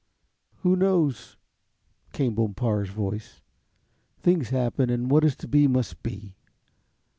"Who knows," came Bompard's voice. "Things happen and what is to be must be.